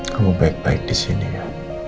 kamu baik baik disini ya